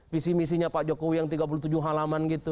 visi misinya pak jokowi yang tiga puluh tujuh halaman gitu